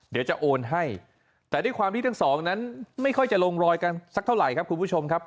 เดี๋ยวจะโอนให้แต่ด้วยความที่ทั้งสองนั้นไม่ค่อยจะลงรอยกันสักเท่าไหร่ครับคุณผู้ชมครับ